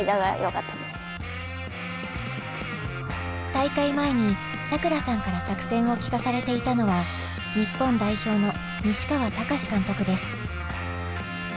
大会前にさくらさんから作戦を聞かされていたのは日本代表の西川隆監督です。